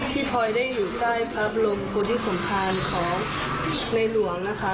ทอยได้อยู่ใต้พระบรมโพธิสมภารของในหลวงนะคะ